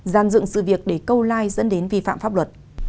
gian dựng sự việc để câu like dẫn đến vi phạm pháp luật